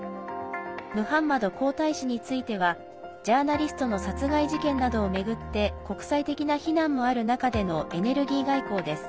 ムハンマド皇太子についてはジャーナリストの殺害事件などを巡って国際的な非難もある中でのエネルギー外交です。